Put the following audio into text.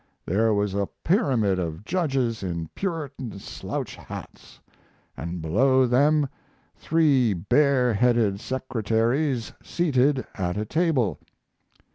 There was a pyramid of judges in Puritan slouch hats, and below them three bareheaded secretaries seated at a table.